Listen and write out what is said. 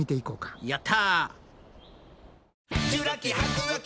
やった。